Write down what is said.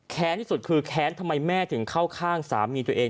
ที่สุดคือแค้นทำไมแม่ถึงเข้าข้างสามีตัวเอง